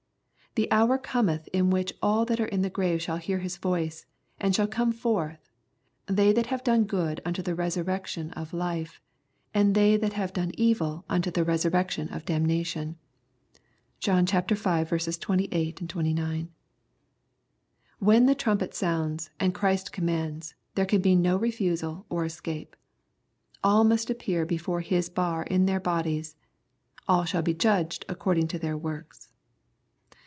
" The hour cometh in the which all thafc are in the grave shall hear his voice, and shall come forth ; they that have done good unto the resurrection of life, and they that have done evil unto the resurrection of damnation/' (John v. 28, 29.) When the trumpet sounds and Christ commands, there can be no refusal or escape. All must appear before His bar in their bodies. All shall be judged according to their works.